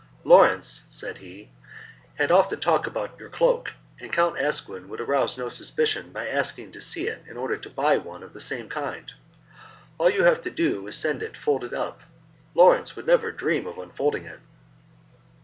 "Lawrence," said he, "had often talked about your cloak, and Count Asquin would arouse no suspicion by asking to see it in order to buy one of the same kind. All you have to do is to send it folded up. Lawrence would never dream of unfolding it."